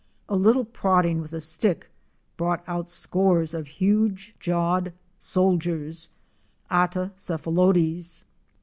A little prodding with a stick brought out scores of huge jawed soldiers (Atta cephalotes).